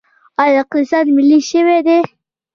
آیا اقتصاد ملي شوی دی؟